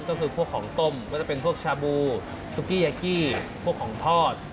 ก็คือพวกของต้มก็จะเป็นพวกชาบูซุกกี้ยกี้พวกของทอด